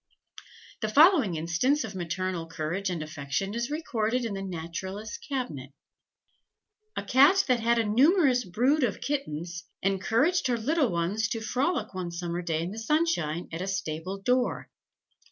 The following instance of maternal courage and affection is recorded in the Naturalists' Cabinet: "A Cat that had a numerous brood of kittens, encouraged her little ones to frolic one summer day in the sunshine, at a stable door.